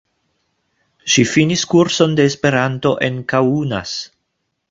Ŝi finis kurson de Esperanto en Kaunas.